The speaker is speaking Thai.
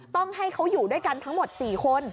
ต้องให้เขาอยู่ด้วยกันทั้งหมด๔คน